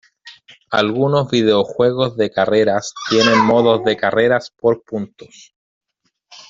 Algunos videojuegos de carreras tienen modos de carreras por puntos.